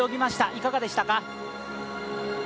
いかがでしたか？